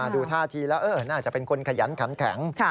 ดูท่าทีแล้วน่าจะเป็นคนขยันขันแข็ง